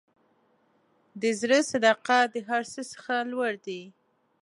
د زړه صداقت د هر څه څخه لوړ دی.